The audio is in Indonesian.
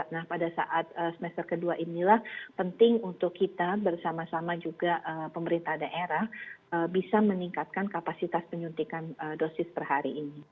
nah pada saat semester kedua inilah penting untuk kita bersama sama juga pemerintah daerah bisa meningkatkan kapasitas penyuntikan dosis per hari ini